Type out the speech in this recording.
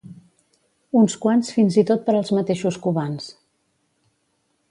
Uns quants fins i tot per als mateixos cubans.